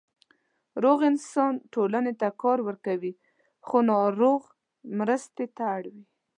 روغ انسان ټولنې ته کار ورکوي، خو ناروغ مرستې ته اړ وي.